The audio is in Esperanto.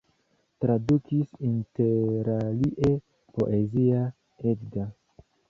Tradukis interalie Poezia Edda.